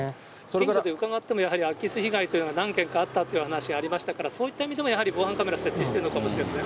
近所で伺っても、空き巣被害というのが何件かあったというお話ありましたから、そういった意味でも、やはり防犯カメラ、設置してるのかもしれないですね。